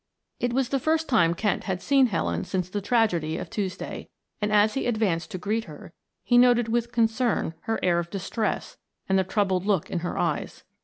It was the first time Kent had seen Helen since the tragedy of Tuesday, and as he advanced to greet her he noted with concern her air of distress and the troubled look in her eyes.